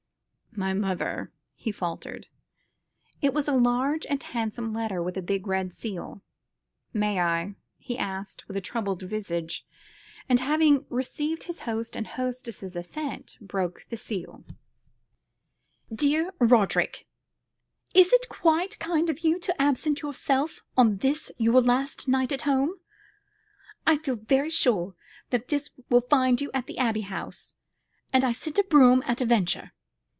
"My mother," he faltered. It was a large and handsome letter with a big red seal. "May I?" asked Rorie, with a troubled visage, and having received his host and hostess's assent, broke the seal. "Dear Roderick, Is it quite kind of you to absent yourself on this your last night at home? I feel very sure that this will find you at the Abbey House, and I send the brougham at a venture.